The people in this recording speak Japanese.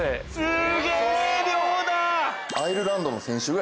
すげぇ量だ！